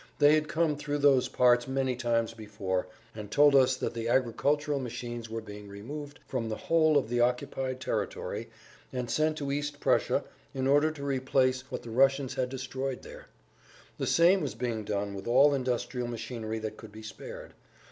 They had come through those parts many times before, and told us that the agricultural machines were being removed from the whole of the occupied territory and sent to East Prussia in order to replace what the Russians had destroyed there. The same was being done with all industrial machinery that could be spared.